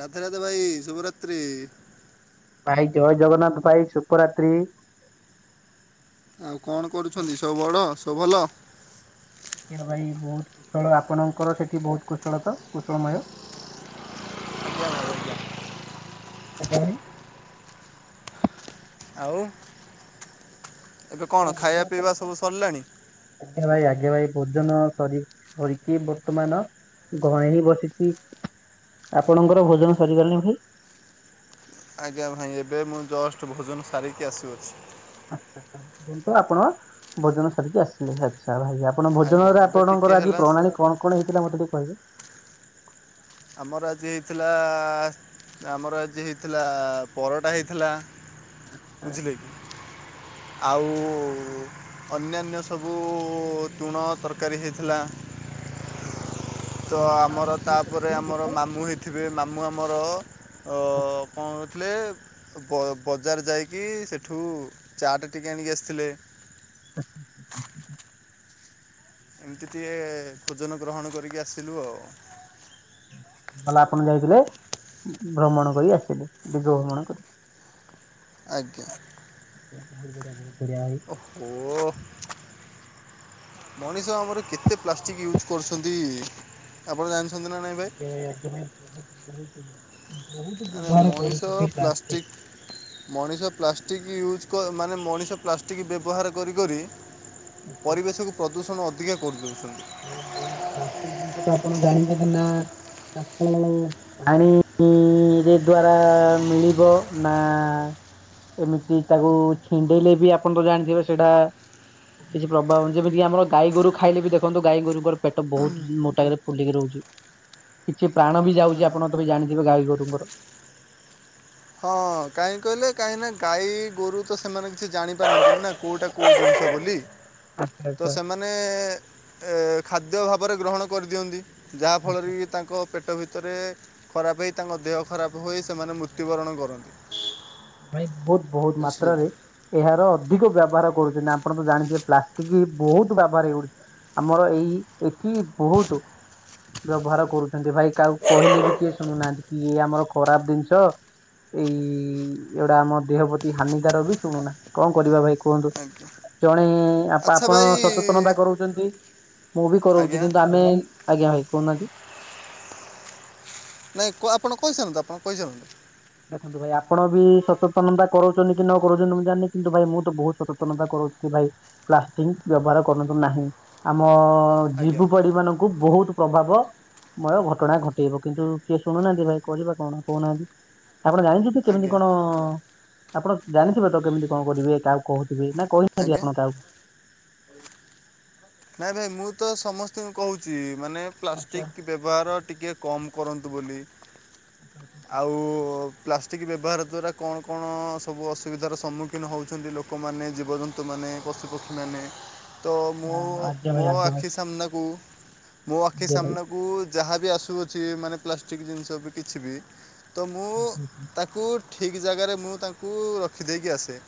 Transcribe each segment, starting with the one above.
ରାଧେ ରାଧେ ଭାଇ ଶୁଭରାତ୍ରି। ଭାଇ ଜୟ ଜଗନ୍ନାଥ ଭାଇ ଶୁଭରାତ୍ରି। ଆଉ କଣ ଭାଇ କରୁଛନ୍ତି? ସବୁ ବଡ ସବୁ ଭଲ? ଭାଇ ବହୁତ କୁଶଳ ଆପଣଙ୍କର ସେଠି ବୋହୁତ କୁଶଳ ତ କୁଶଳମୟ? ଆଜ୍ଞା ଭାଇ ଆଜ୍ଞା। ଆଜ୍ଞା ଭାଇ? ଆଉ? ଏବେ ଆପଣ କଣ ଭୋଜନ ଖାଇବା ପିଇବା କରିଥିଲେ? ସବୁ ସାରିଲାଣି? ଆଜ୍ଞା ଭାଇ ଆଜ୍ଞା ଭାଇ ଭୋଜନ ସରି ସରିକି ବର୍ତ୍ତମାନ ଘରେ ହିଁ ବସିଚି, ଆପଣଙ୍କର ଭୋଜନ ସରିଗଲାଣି ଭାଇ? ଆଜ୍ଞା ଭାଇ, ଏବେ ମୁଁ ଜଷ୍ଟ ଭୋଜନ ସାରିକି ଆସୁଅଛି। ଆଛା ଦନ୍ତୁ ଆପଣ ଭୋଜନ ସରିକି ଆସିଲେ ଆଚ୍ଛା ଭାଇ। ଆପଣ ଆଜ୍ଞା ଭୋଜନରେ ଏବେ ଟିକେ ଆପଣଙ୍କର ଆଜି ହେଲା ପ୍ରଣାଳୀ କଣ କଣ ହେଇଥିଲା ମୋତେ ଟିକେ କହିବେ? ଆମର ଆଜି ହେଇଥିଲା ଆମର ଆଜି ହେଇଥିଲା ପରଟା ହେଇଥିଲା। ବୁଝିଲେ କି ଆଉ। ଅନ୍ୟାନ୍ୟ ସବୁ ତୁଣ ତରକାରୀ ହେଇଥିଲା। ଆଛା ତ ଆମର ତାପରେ ଆମର ମାମୁଁ ହେଇଥିବେ ମାମୁଁ ଆମର ଅ କଣ ହୋଇଥିଲେ ବ ବଜାର ଯାଇକି ସେଠୁ ଚାଟ ଟିକେ ଆଣିକି ଆସିଥିଲେ। ଏମତି ଟିକେ ଭୋଜନ ଗ୍ରହଣ କରିକି ଆସିଲୁ ଆଉ। ଭଲା ଆପଣ ଯାଇଥିଲେ, ଭ୍ରମଣ କରି ଆସିଲେ, ଦିଗ ଭ୍ରମଣ କରି। ଆଜ୍ଞା। ବହୁ ବହୁତ୍ ବଢିଆ ବହୁତ୍ ବଢିଆ ଭାଇ। ଓଃ ହୋ। ମଣିଷ ଆମର କେତେ ପ୍ଲାଷ୍ଟିକ୍ ୟୁଜ୍ କରୁଛନ୍ତି। ଆପଣ ଜାଣିଛନ୍ତି ନା ନାଇଁ? ଆଜ୍ଞା ଭାଇ ଆଜ୍ଞା ଭାଇ ବହୁତ ବହୁତ ବହୁତ ମାନେ ବ୍ୟବହାର ମଣିଷ କରୁଛନ୍ତି ପ୍ଲାଷ୍ଟିକ। ପ୍ଲାଷ୍ଟିକ୍ ମଣିଷ ପ୍ଲାଷ୍ଟିକ୍ ୟୁଜ୍ କ ମାନେ ମଣିଷ ପ୍ଲାଷ୍ଟିକ ବ୍ୟବହାର କରି କରି ଆଚ୍ଛା ପରିବେଶକୁ ପ୍ରଦୂଷଣ ଅଧିକା କରଦଉଛନ୍ତି। ମାନେ ବହୁତ୍ ପ୍ଲାଷ୍ଟିକ୍ ଜିନିଷ ତ ଆପଣ ଜାଣିଛନ୍ତି ନା। ତାକୁ ପାଣି ଇଁରେ ଦ୍ଵାରା ମିଳିବ ନା ଏମିତି ତାକୁ ଛିଣ୍ଡେଇଲେ ବି ଆପଣ ତ ଜାଣିଥିବେ ସେଇଟା କିଛି ପ୍ରଭାବ ଯେମିତି ଆମର ଗାଈ ଗୋରୁ ଖାଇଲେ ବି ଦେଖ୍ ଖନ୍ତୁ ଗାଈ ଗୋରୁଙ୍କର ପେଟ ବହୁତ୍ ମୋଟାକାରେ ଫୁଲିକି ରହୁଛି। କିଛି ପ୍ରାଣ ବି ଯାଉଛି ଆପଣ ତବି ଜାଣିଥିବେ ଗାଈ ଗୋରୁଙ୍କର। ହଁ, କାହିଁ କହିଲେ କାହିଁକି ନା ଗାଈ ଗୋରୁ ତ ସେମାନେ କିଛି ଜାଣିପାରନ୍ତିନା କୋଉଟା କୋଉଠି ଜିନିଷ ବୋଲି। ଆଚ୍ଛା ତ ଆଚ୍ଛା ସେମାନେ ଏ ଖାଦ୍ୟ ଭାବରେ ଗ୍ରହଣ କରିଦିଅନ୍ତି। ଆଚ୍ଛା। ଯାହାଫଳରେ କି ତାଙ୍କ ପେଟ ଭିତରେ ଖରାପ ହେଇ ତାଙ୍କ ଦେହ ଖରାପ ହୋଇ ସେମାନେ ମୃତ୍ ତ୍ୟୁବରଣ କରନ୍ତି। ଭାଇ ବହୁତ ବହୁତ ବୁଝିଲେ କି ମାତ୍ରାରେ ଏହାର ଅଧିକ ବ୍ୟବହାର କରୁଛନ୍ତି ନା ଆପଣ ତ ଜାଣିଥିବେ ପ୍ଲାଷ୍ଟିକ ବହୁତ ବ୍ୟବହାର ଏଇ ଓଡିଶା ଆମର ଏଇ ଏଠି ବହୁତ ବ୍ୟବହାର କରୁଛନ୍ତି ଭାଇ କାହାକୁ କହିଲେ ବି କିଏ ଶୁଣୁନାହାନ୍ତି କି ଇଏ ଆମର ଖରାପ ଜିନିଷ। ଏଇ ଏଉଡା ଆମ ଦେହ ପ୍ରତି ହାନିକାର ବି ଶୁଣୁନା କଣ କରିବା ଭାଇ କୁହନ୍ତୁ। ଆଜ୍ଞା ଜଣେ ଆପ ଆଚ୍ଛା ଆପଣ ଭାଇ ସଚେତନତା କରଉଛନ୍ତି। ମୁଁ ବି କରଉଛି ଆଜ୍ଞା କିନ୍ତୁ ଆମେ, ଆଜ୍ଞା ଭାଇ କହୁନାହାନ୍ତି। ନାଇଁ କୁଆ ଆପଣ କହିସାରନ୍ତୁ ଆପଣ କହିସାରନ୍ତୁ। ଦେଖନ୍ତୁ ଭାଇ ଆପଣ ବି ସଚେତନତା କରଉଛନ୍ତି କି ନ କରଉଛନ୍ତି ମୁଁ ଜାଣିନି କିନ୍ତୁ ଭାଇ ମୁଁ ତ ବହୁତ ସଚେତନତା କରଉଛି ଭାଇ। ପ୍ଲାଷ୍ଟିକଂ ବ୍ୟବହାର କରନ୍ତୁ ନାହିଁ ଆମ ଆଜ୍ଞା ଜୀବୁ ପଡି ମାନଙ୍କ୍ କୁ ବହୁତ ପ୍ରଭାବ ମୟ ଘଟଣା ଘଟେଇବ କିନ୍ତୁ କିଏ ଶୁଣୁନାହାନ୍ତି ଭାଇ କହିବା କଣ କହୁନାହାନ୍ତି। ଆପଣ ଜାଣିଛନ୍ତି ସେମାନେ ଆଜ୍ଞା କ'ଣ, ଆପଣ ଜାଣିଥିବେ ତ କେମିତି କଣ କରିବେ କାହା କହୁ ଥିବେ। ନା କହିନାହାନ୍ତି ଆଜ୍ଞା ଆପଣ କାହାକୁ? ନାଇଁ ନାଇଁ ମୁଁ ତ ସମସ୍ତଙ୍କୁ କହୁଛି ମାନେ ଆଚ୍ଛା ପ୍ଲାଷ୍ଟିକ ବ୍ୟବହାର ଟିକେ କମ୍ କରନ୍ତୁ ବୋଲି। ଆଉ ପ୍ଲାଷ୍ଟିକ୍ ବ୍ୟବହାର ଦ୍ୱାରା କଣ କଣ ସବୁ ଅସୁବିଧାର ସମ୍ମୁଖୀନ ହଉଛନ୍ତି ଲୋକମାନେ ଜୀବଜନ୍ତ୍ ନ୍ତୁମାନେ ପଶୁପକ୍ଷୀମାନେ। ତ ମୋ ଆଜ୍ଞା ମୋ ଭାଇ ଆଜ୍ଞା ଭାଇ ଆଖି ସାମ୍ନାକୁ ମୋ ଆଖି ଆଜ୍ଞା ଭାଇ ସାମ୍ନାକୁ ଯାହା ବି ଆସୁଅଛି ମାନେ ପ୍ଲାଷ୍ଟିକ୍ ଜିନିଷ ବି କିଛି ବି ତ ମୁଁ ଆଚ୍ଛା ଆଚ୍ଛା ତାକୁ ଠିକ୍ ଜାଗାରେ ମୁଁ ତାଙ୍କୁ ରଖିଦେଇକି ଆସେ।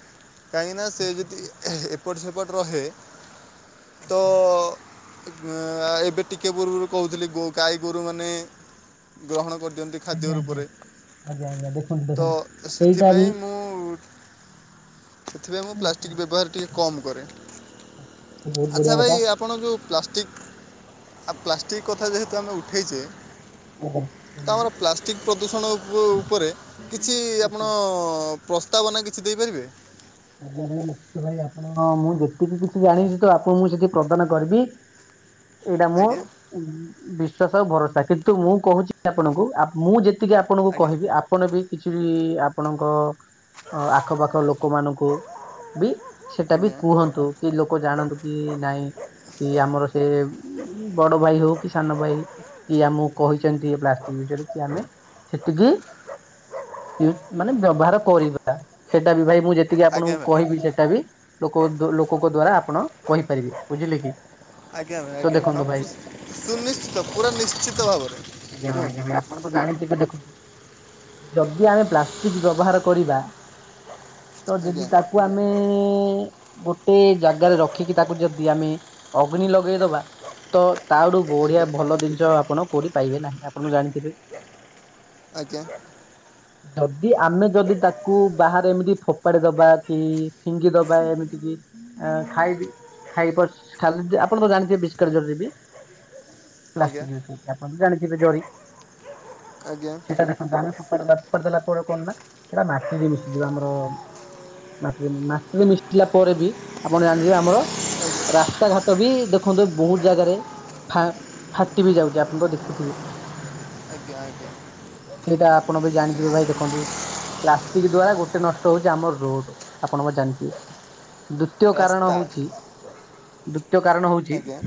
କାହିଁକି ନା ସେ ଏ ଆଚ୍ଛା ଯଦି ଏପଟ ସେପଟ ରହେ ତ ଏବେ ଟିକେ ପୂର୍ବରୁ କହୁଥିଲି ଗୋ ଗାଈ ଗୋରୁ ମାନେ ଗ୍ରହଣ କରିଦିଅନ୍ତି ଖାଦ୍ୟ ଆଜ୍ଞା ଆଜ୍ଞା ରୂପରେ ଆଜ୍ଞା ଆଜ୍ଞା ଦେଖନ୍ତୁ ତ ଦେଖନ୍ତୁ ଏଇଟା ବି ସେଥିପାଇଁ ମୁଁ ସେଥିପାଇଁ ମୁଁ ପ୍ଲାଷ୍ଟିକ୍ ବ୍ୟବହାର ଟିକେ କମ୍ କରେ। ବହୁତ ବଢ଼ିଆ ଆଚ୍ଛା କଥା ଭାଇ ଆପଣ ଯେଉଁ ପ୍ଲାଷ୍ଟିକ୍ ଆ ପ୍ଲାଷ୍ଟିକ୍ କଥା ଯେହେତୁ ଆମେ ଉଠେଇଛେ ଆଜ୍ଞା ତ କହୁନାହାନ୍ତି ଆମର ପ୍ଲାଷ୍ଟିକ୍ ପ୍ରଦୂଷଣ ଉପ ଉପରେ କିଛି ନିଶ୍ଚୟ। ଆପଣ ପ୍ରସ୍ତାବ ନାଁ କିଛି ଦେଇପାରିବେ? ଆଜ୍ଞା ଭାଇ ନିଶ୍ଚିତ ଭାଇ ଆପଣ ମୁଁ ଯେତିକି କିଛି ଜାଣିଛି ତ ଆପଣଙ୍କୁ ମୁଁ ସେତିକି ପ୍ରଦାନ କରିବି। ଏଇଟା ମୁଁ ଆଜ୍ଞା ବିଶ୍ଵାସ ଆଉ ଭରସା କିନ୍ତୁ ମୁଁ କହୁଛି ଆପଣଙ୍କୁ ଆ ମୁଁ ଯେତିକି ଆପଣଙ୍କୁ ଆଜ୍ଞା କହିବି ଆପଣ ବି କିଛି ବି ଆପଣଙ୍କ ଆଖପାଖ ଲୋ ଲୋକ ମାନାନଙ୍କୁ ବି ସେଟା ବି ଆଜ୍ଞା କୁହନ୍ତୁ। କି ଲୋକ ଜାଣନ୍ତୁ କି ନାଇଁ କି ଆମର ସେ ବଡ ଭାଇ ହଉ କି ସାନ ଭାଇ କି ଆମକୁ କହିଛନ୍ତି ଏ ପ୍ଲାଷ୍ଟିକ ବିଷୟରେ କି ଆମେ ସେତିକି ମାନେ ବ୍ୟବହାର କରିବା ସେଟା ବି ଭାଇ ମୁଁ ଯେ ଯେତିକି ଆଜ୍ଞା ଆପଣଙ୍କୁ ଭାଇ କହିବି ସେଟା ବି ଲୋକ ଦୋ ଲୋକଙ୍କ ଦ୍ଵାରା ଆପଣ କହିପାରିବେ ବୁଝିଲେ କି? ଆଜ୍ଞା ଭାଇ ତ ଆଜ୍ଞା ହଁ ଦେଖନ୍ତୁ ଭାଇ ପୁ ସୁନିଶ୍ଚିତ ପୁରା ନିଶ୍ଚିତ ଭାବରେ ଆଜ୍ଞା ଭାଇ ଆଜ୍ଞା କୁହନ୍ତୁ। ଭାଇ ଆପଣ ତ ଜାଣିଥିବେ ଦେଖନ୍ତୁ ଯଦି ଆମେ ପ୍ଲାଷ୍ଟିକ ବ୍ୟବହାର କରିବା ତ ଯଦି ଆଜ୍ଞା ଆଜ୍ଞା ତାକୁ ଆମେ ଗୋଟେ ଜାଗାରେ ରଖିକି, ତାକୁ ଯଦି ଆମେ ଅଗ୍ନି ଲଗେଇଦବା। ତ ତାଠୁ ବଢିଆ ଆଜ୍ଞା ଭଲ ଜିନିଷ ଆପଣ କୋଉଠି ପାଇବେ ନାହିଁ, ଆପଣ ଜାଣିଥିବେ। ଆଜ୍ଞା। ଯଦି ଆମେ ଯଦି ତାକୁ ବାହାରେ ଏମିତି ଫୋ କପାଡ଼ି ଦବା କି ଫିଙ୍ଗି ଦବା ଏମିତି କି ଖାଇବି ଖାଇ ପ ଖା ଆପଣ ତ ଜାଣିଥିବେ ବିସ୍କାଟ ଜରି ରେ ବି ଆଜ୍ଞା ପ୍ଲାଷ୍ଟିକ ହଛି ଆପଣ ବି ଜାଣିଥିବେ ଜରି ଆଜ୍ଞା। ସେଟା ଦେଖନ୍ତୁ ଆମେ ଫୋପାଡ଼ି ଦେଲା ପରେ କଣ ନା ସେଟା ମାଟିରେ ମିଶିଯିବ ଆମର। ମାଟିରେ, ମାଟିରେ ମିଶିଲା ପରେ ବି ଆପଣ ଜାଣିଥିବେ ଆମର ରାସ୍ତା ଘାଟ ବି ଦେଖନ୍ତୁ ବହୁତ ଜାଗାରେ ଫା ଫାଟି ବି ଯାଉଛି ଆପଣ ତ ଦେଖୁଥିବେ। [inaudible] ସେଇଟା ଆପଣ ବି ଜାଣିଥିବେ ଭାଇ ଦେଖନ୍ତୁ, ପ୍ଲାଷ୍ଟିକ ଦ୍ଵାରା ଗୋଟେ ନଷ୍ଟ ହଉଛି ଆମର ରୋଡ, ଆପଣ ଜାଣିଥିବେ, ଦ୍ଵିତୀୟ କାରଣ ରାସ୍ତା ହଉଛି ଦ୍ଵିତୀୟ କାରଣ ହଉଛି ଆଜ୍ଞା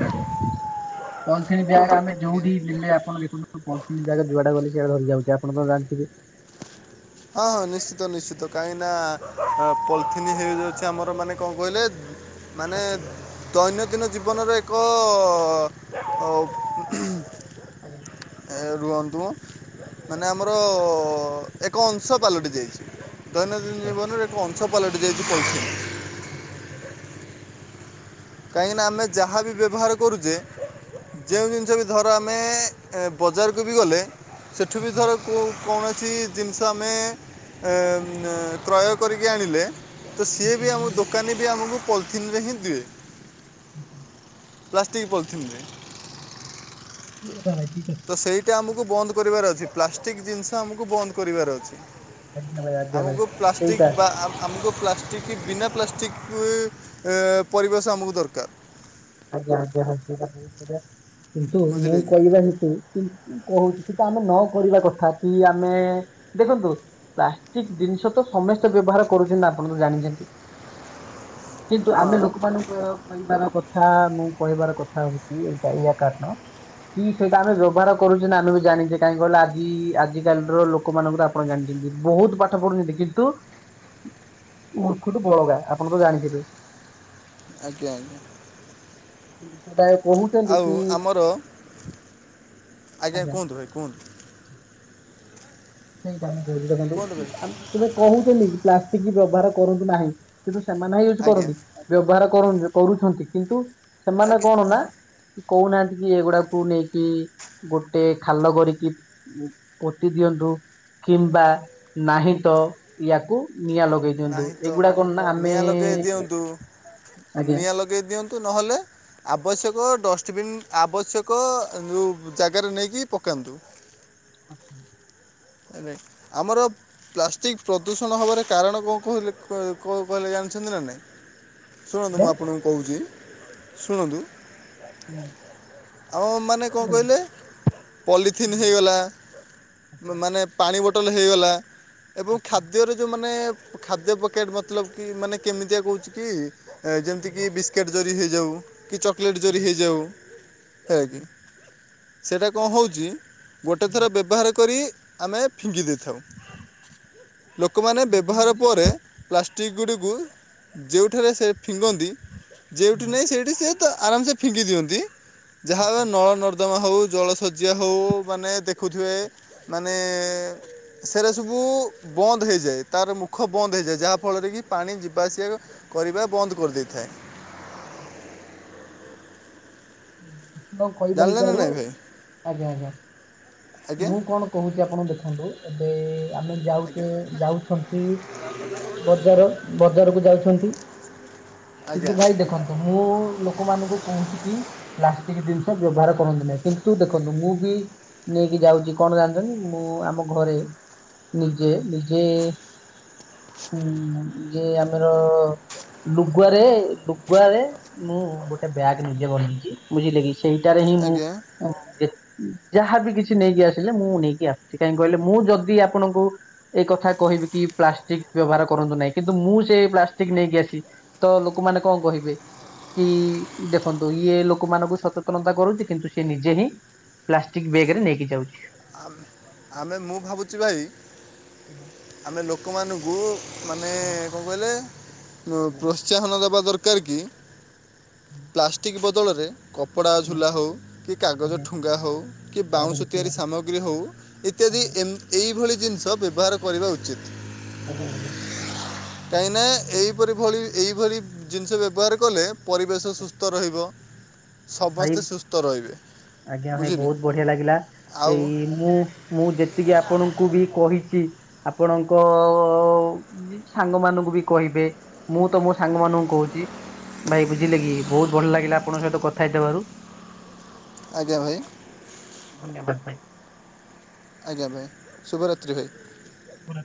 ପଲଥିନ ବେଗ ଆମେ ଆଜ୍ଞା ଯୋଉଠି ଦେଲେ ଆପଣ ଦେଖନ୍ତୁ ପଲଥିନ ବେଗ ଯୁଆଡେ ଗଲେ ସିଆଡେ ଧରି ଯାଉଛି ଆପଣ ତ ଜାଣିଥିବେ। ହଁ ହଁ ନିଶ୍ଚିତ ନିଶ୍ଚିତ କାହିଁକି ନା, ପଲିଥିନ୍ ହେଇଯାଉଛି ଆମର ମାନେ କଣ କହିଲେ [inaudible] ମାନେ ଦୈନନ୍ଦିନ ଜୀବନରେ ଏକ ଆଜ୍ଞା। ରୁହନ୍ତୁ ମ, ମାନେ ଆମର ଏକ ଅଂଶ ପାଲଟି ଯାଇଛି। ଦୈନନ୍ଦିନ ଜୀବନରେ ଏକ ଅଂଶ ପାଲଟି ଯାଇଛି ପଲିଥିନ। ଆଚ୍ଛା ଆଚ୍ଛା। କାହିଁକିନା ଆମେ ଯାହା ବି ବ୍ୟବହାର କରୁଛେ, ଆଚ୍ଛା ଯେଉଁ ଜିନିଷ ବି ଧର ଆମେ ବଜାରକୁ ବି ଗଲେ, ସେଠୁ ବି ଧର କେଉଁ କୌଣସି ଜିନିଷ ଆମେ କ୍ରୟ କରିକି ଆଣିଲେ। ତ ସିଏ ବି ଆମ ଦୋକାନୀ ବି ଆମକୁ ପଲିଥିିନରେ ହିଁ ଦିଏ। ହୁ। ପ୍ଲାଷ୍ଟିକ୍ ପଲିଥିନ୍ ରେ। ଆଚ୍ଛା। ତ ସେଇ ଏଟା ଆମକୁ ବନ୍ଦ କରିବାର ଅଛି ପ୍ଲାଷ୍ଟିକ୍ ଜିନିଷ ଆମକୁ ବନ୍ଦ କରିବାର ଅଛି। ଆଜ୍ଞା ଭାଇ ଆଜ୍ଞା ଭାଇ। ଆମକୁ ସେଇଟା ପ୍ଲାଷ୍ଟିକ୍ ବା ଆମ ଆମକୁ ପ୍ଲା ଟିକ ବିନା ପ୍ଲାଷ୍ଟିକ୍ ଅ ପରିବେଶ ଆମକୁ ଦରକାର। ଆଜ୍ଞା ଆଜ୍ଞା, ହଁ ସେଇଟା ବହୁତ ବଢଆ କିନ୍ତୁ ମୁଁ ବୁଝିଲେ କି କହିବା ହେତୁ କି। କହୁଛି କି, ତ ଆମେ ନ କରିବା କଥା କି ଆମେ, ଦେଖନ୍ତୁ ପ୍ଲାଷ୍ଟିକ ଜିନିଷ ତ ସମସ୍ତେ ବ୍ୟବହାର କରୁଛନ୍ତି ନା ଆପଣ ତ ଜାଣିଛନ୍ତି କିନ୍ତୁ ହଁ ଆମେ ଲୋକମାନଙ୍କୁ କହିବାର କଥା ମୁଁ କହିବାର କଥା ହଉଛି ଏଇଟା ଏଇଆ କାରଣ। କି ସେଇଟା ଆମେ ବ୍ୟବହାର କରୁଛ ନା ଆମେ ବି ଜାଣିଛେ କାହିଁକି, କହିଲ ଆଜି ଆଜି କାଲି ର ଲୋକମାନଙ୍କର ଆପଣ ଜାଣିଛନ୍ତି ବହୁତ ପାଠ ପଢୁଛନ୍ତି କିନ୍ତୁ ମୂର୍ଖଠୁ ବଳଗା ଆପଣ ତ ଜାଣିଥିବେ। ଆଜ୍ଞା ଆଜ୍ଞା। ସେଟା [unintelligible] ଆଉ କି, ଆମର ଆଜ୍ଞା। [unintelligible] ସେଇଟା ମୁଁ କହୁଛି ଦେଖନ୍ତୁ, କୁହନ୍ତୁ ଭାଇ ଆମେ ସେ ବା କହୁଛନ୍ତି ପ୍ଲାଷ୍ଟିକ ବ୍ୟବହାର କରନ୍ତୁ ନାହିଁ। କିନ୍ତୁ ସେମାନେ ହ ୟୁଜ ଆଜ୍ଞା କରନ୍ତି, ବ୍ୟବହାର କର-କରୁଛନ୍ତି କିନ୍ତୁ ସେମାନେ ଆଜ୍ଞା କଣ ନା କହୁନାହାନ୍ତି କି ଆଜ୍ଞା ଏଗୁଡାକୁ ନେଇକି ଗୋଟେ ଖାଲ କରିକି ପୋତି ଦିଅନ୍ତୁ, କିମ୍ବା ନାହିଁ ତ ୟାକୁ ନିଆଁ ଲଗେଇ ନିଅନ୍ତୁ ନାହିଁ ତ ଏଇଗୁଡା କଣ ନା ଆମେ ନିଆଁ ଲଗାଇ ଆଜ୍ଞା। ଦେଇ ଦିଅନ୍ତୁ ନହଲେ ଆବଶ୍ୟକ ଡଷ୍ଟବିନ୍ ଆବଶ୍ୟକ ଯଉ ଜାଗାରେ ନେଇକି ପକାନ୍ତୁ। ଆଚ୍ଛା। ନାଇଁ ନାଇଁ ଆମର ପ ପ୍ଲାଷ୍ଟିକ୍ ପ୍ରଦୂଷଣ ହବାର କାରଣ କ କହିଲେ କ କ କହିଲେ ଜାଣିଛନ୍ତି ନା ନାଇଁ। ଶୁଣନ୍ତୁ ଆଜ୍ଞା ମୁଁ ଆପଣଙ୍କୁ କହୁଛି ସୁଣନ୍ତୁ ହୁଁ। ଆଉ ମାନେ କଣ କହିଲେ ପଲିଥିନ୍ ହେଇଗଲା ମାନେ ପାଣି ବୋଟଲ ହୋଇଗଲା ଏବଂ ଖାଦ୍ୟରେ ଯଉ ମାନେ ଖାଦ୍ୟ ପକେଟ୍ ମତ୍ ଲବ୍ କି ମାନେ କେମିତିଆ କହୁଚି କି ଯେମତି କି ବିସ୍କିଟ ଜରି ହେଇ ଯାଉ କି ଚେକ୍ ଲେଟ୍ ଜରି ହେଇ ଯାଉ ଆଜ୍ଞା। ସେଟା କ ହେଉଚି ଗୋଟେ ଥର ବ୍ୟବହାର କରି ଆମେ ଫିଙ୍ଗି ଦେଇଥାଉ ଲୋକମାନେ ବ୍ୟବହାର ପରେ ପ୍ଲାଷ୍ଟିକ୍ ଗୁଡ଼ିକୁ ଯେଉଁଠାରେ ସେ ଫିଙ୍ଗନ୍ତି ଯେଉଁଠି ଆଜ୍ଞା ନେଇ ସେଇଠି ସେ ଆରାମ ସେ ଫିଙ୍କି ଦିଅନ୍ତି ଯାହା ନଳ ନଦ ନଦମା ହଉ ଜଳ ଶଯ୍ୟା ହଉ ମାନେ ଦେଖୁଥିବେ ମାନେ ସେରା ସବୁ ବନ୍ଦ ହୋଇଯାଏ ତାର ମୁଖ ବନ୍ଦ ହେଇଯାଏ ଯାହାଫଳରେ କି ପାଣି ଯିବା ଆସିବାକୁ କରିବା ବନ୍ଦ କରିଦେଇଥାଏ। କ କିଇବା ହେଇ ଜାଣିଲେ ନା ତାରୁ ନାହିଁ ଭାଇ ଆଜ୍ଞା ଆଜ୍ଞା ଆଜ୍ଞା ମୁଁ କଣ କହୁଛି ଆପଣ ଦେଖନ୍ତୁ ଏବେ ଆମେ ଆଜ୍ଞା ଯାଉଚେ ଯାଉଛନ୍ତି ବଜାର ବଜାରକୁ ଯାଉଛନ୍ତି ଆଜ୍ଞା କିନ୍ତୁ ଭାଇ ଦେଖନ୍ତୁ ମୁଁ ଲୋକମାନଙ୍କୁ କହୁଚି କି ପ୍ଲାଷ୍ଟିକ ଜିନିଷ ବ୍ୟବହାର କରନ୍ତୁ ନାହିଁ କିନ୍ତୁ ଦେଖନ୍ତୁ ମୁଁ ବି ନେଇକି ଯାଉଚି କଣ ଜାଣିଛନ୍ତି ମୁଁ ଆମ ଘରେ ନିଜେ ନିଜେ ଉଁ ନିଜେ ଆମର ଲୁଗୁଆରେ ଲୁଗୁଆରେ ମୁଁ ଗୋଟେ ବ୍ୟାଗ୍ ନିଜେ ବନେଇଚି। ବୁଝିଲେ କି ସେଇଟାରେ ହିଁ ମୁଁ ଆଜ୍ଞା କେ ଯାହାବି କିଛି ନେଇକି ଆସିଲେ ମୁଁ ନେଇକି ଆସୁଛି କାହିଁକି କହିଲେ ମୁଁ ଯଦି ଆପଣଙ୍କୁ ଏଇ କଥା କହିବି କି ପ୍ଲାଷ୍ଟିକ ବ୍ୟବହାର କରନ୍ତୁ ନାହିଁ କିନ୍ତୁ ମୁଁ ସେ ପ୍ଲାଷ୍ଟିକ ନେଇକି ଆସି ତ ଲୋକମାନେ କଣ କହିବେ କି ଦେଖନ୍ତୁ ଇଏ ଲୋକ ଲୋକ ମାନଙ୍କୁ ସଚେତନତା କରୁଛି କିନ୍ତୁ ସେ ନିଜେ ହିଁ ପ୍ଲାଷ୍ଟିକ ବେଏକେରେ ନେଇକି ଯାଉଛି। ଆମ। ଆମେ ମୁଁ ଭାବୁଛି ଭାଇ ଆଜ୍ଞା। ଆମେ ଲୋକମାନଙ୍କୁ ମାନେ କଣ କହିଲେ ପ୍ରୋ ଆଜ୍ଞା ପ୍ରୋତ୍ସାହନ ଦବା ଦରକାର କି ପ୍ଲାଷ୍ଟିକ୍ ବଦଳରେ କପଡ଼ା ଆଜ୍ଞା ଆଜ୍ଞା ଝୁଲା ହେଉ କି କାଗଜ ଆଜ୍ଞା ଠୁଙ୍ଗା ହେଉ କି କାହାକୁ ବାଉଁଶ ଦେଖ ତିଆରି ଆଜ୍ଞା ସାମଗ୍ରୀ ହେଉ ଇତ୍ୟାଦି ଆଜ୍ଞା ଏହିଭଳି ଜିନିଷ ବ୍ୟବହାର କରିବା ଉଚିତ। ଆଜ୍ଞା ଆଜ୍ଞା। କାହିଁ ନା ଏଇପରି ଭଳି ଏଇଭଳି ଜିନିଷ ବ୍ୟବହାର କଲେ ପରିବେଶ ସୁସ୍ଥ ରହିବ। ଭାଇ ସମସ୍ତେ ସୁସ୍ଥ ରହିବେ ଆଜ୍ଞା ଭାଇ ବୁଝିଲେ ବହୁତ ବଢିଆ ଲାଗିଲା ଆଉ ଏଇ ମୁଁ ମୁଁ ଯେତିକି ଆପଣଙ୍କୁ ବି କହିଛି ଆପଣଙ୍କ ସାଙ୍ଗ ମାନଙ୍କୁ ବି କହିବେ ମୁଁ ତ ମୋ ସାଙ୍ଗ ମାନଙ୍କୁ କହୁଛି। ଭାଇ ବୁଝିଲେ କି ବହୁତ ଭଲ ଲାଗିଲା ଆପଣଙ୍କ ସହିତ କଥା ହେଇଥବାରୁ। ଆଜ୍ଞା ଭାଇ। ଧନ୍ୟବାଦ ଭାଇ। ଆଜ୍ଞା ଭାଇ ଶୁଭରାତ୍ରି ଭାଇ। ପୁରା।